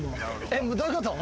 えっ？どういうこと？